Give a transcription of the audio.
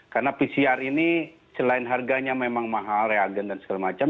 karena pcr ini selain harganya memang mahal reagen dan segala macam